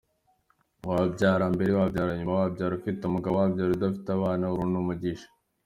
Wabyara mbere, wabyara nyuma, wabyara ufite umugabo, wabyara utamufite, abana ni umugisha.”